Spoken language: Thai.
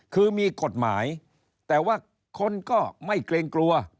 คือมีกฎหมายแต่ว่าคนก็ไม่เกรงกลัว